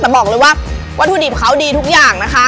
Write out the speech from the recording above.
แต่บอกเลยว่าวัตถุดิบเขาดีทุกอย่างนะคะ